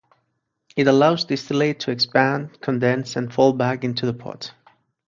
It allows distillate to expand, condense, and fall back into the pot.